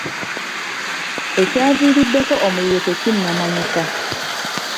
Ekyaviiriddeko omuliro tekinnamanyika.